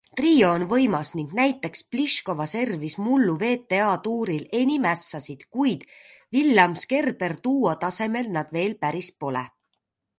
Trio on võimas ning näiteks Pliškova servis mullu WTA-tuuril enim ässasid, kuid Willams-Kerber duo tasemel nad veel päris pole.